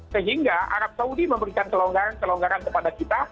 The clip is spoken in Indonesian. sehingga arab saudi memberikan kelonggaran kelonggaran kepada kita